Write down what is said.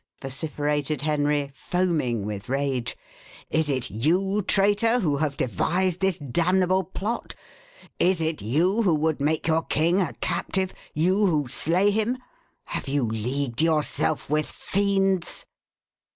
vociferated Henry, foaming with rage. "Is it you, traitor, who have devised this damnable plot? is it you who would make your king a captive? you who slay him? Have you leagued yourself with fiends?"